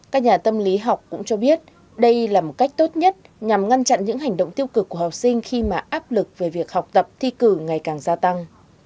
các nhà tâm lý học cũng cho biết đây là một cách tốt nhất nhằm ngăn chặn những hành động tiêu cực của học sinh khi mà áp lực về việc học tập thi cử ngày càng gia tăng